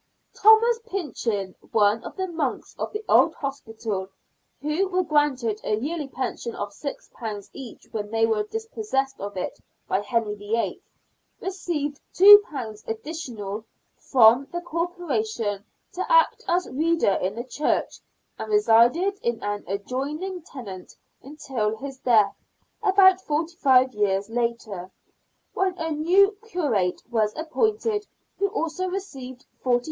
Thomas Pinchin, one of the monks of the old Hospital (who were granted a yearly pension of £6 each when they were dispossessed of it by Henry VIII.), received £2 additional from the Corporation to act as Reader in the church, and resided in an adj oining ST. MARK'S CHURCH. 99 tenement until his death, about forty five years later, when a new " curate " was appointed, who also received 40s.